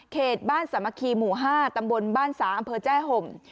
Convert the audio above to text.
บ้านสามัคคีหมู่๕ตำบลบ้านสาอำเภอแจ้ห่ม